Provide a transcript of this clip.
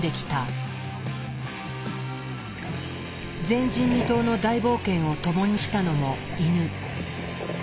前人未到の大冒険を共にしたのもイヌ。